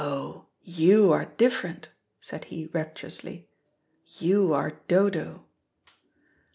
"Oh, you are different," said he rapturously. "You are Dodo."